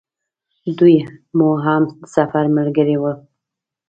دوی مو هم د سفر ملګري ول.